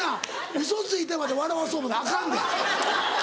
ウソついてまで笑わそう思うたらアカンで。